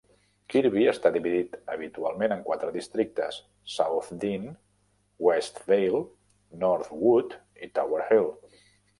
Kirkby està dividit habitualment en quatre districtes: Southdene, Westvale, Northwood i Tower Hill.